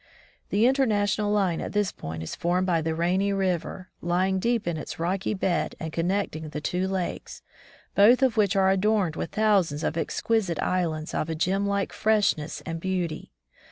The international line at this point is formed by the Rainy River, lying deep in its rocky bed and connecting the two lakes, both of which are adorned with thousands of exquisite islands of a gem like freshness and beauty.